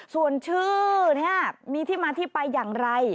ส่วนชื่อนี้มีที่มาที่ไปอย่างไร